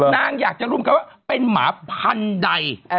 นางอยากจะรู้ว่าเป็นหมาพันใด